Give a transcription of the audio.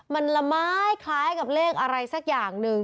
มันละไม้คล้ายกับเลขอะไรสักอย่างหนึ่ง